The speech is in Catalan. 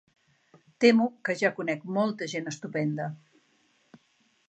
Temo que ja conec molta gent estupenda.